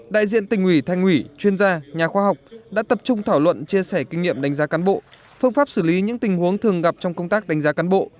đại diện tỉnh ủy thanh ủy chuyên gia nhà khoa học đã tập trung thảo luận chia sẻ kinh nghiệm đánh giá cán bộ phương pháp xử lý những tình huống thường gặp trong công tác đánh giá cán bộ